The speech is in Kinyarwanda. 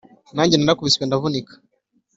nanjye, narakubiswe ndavunika,